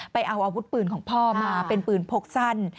ไปเอาอาวุธปืนของพ่อมาเป็นปืนพกสั้น